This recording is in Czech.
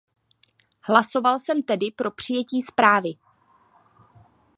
Hlasoval jsem tedy pro přijetí zprávy.